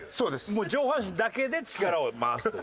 もう上半身だけで力を回すという。